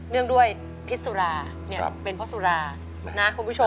เนื่องด้วยพิษสุราเป็นเพราะสุรานะคุณผู้ชม